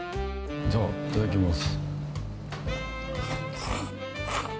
じゃあ、いただきます。